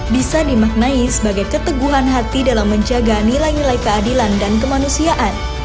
bisa dimaknai sebagai keteguhan hati dalam menjaga nilai nilai keadilan dan kemanusiaan